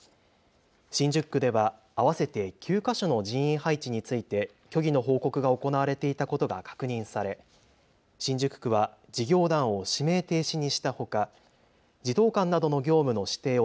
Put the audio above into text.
新宿区では合わせて９か所の人員配置について虚偽の報告が行われていたことが確認され新宿区は事業団を指名停止にしたほか児童館などの業務の指定を